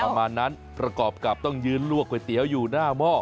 ประมาณนั้นประกอบกับต้องยืนลวกก๋วยเตี๋ยวอยู่หน้าหม้อ